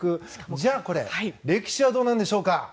じゃあ、歴史はどうでしょうか。